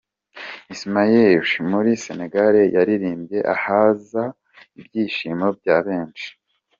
Ismaël Lô wo muri Senegal yaririmbye ahaza ibyishimo bya benshi.